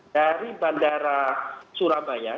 dari bandara surabaya